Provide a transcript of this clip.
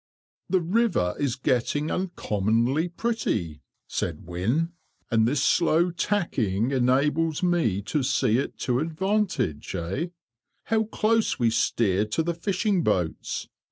"The river is getting uncommonly pretty," said Wynne, "and this slow tacking enables me to see it to advantage, eh! How close we steer to the fishing boats!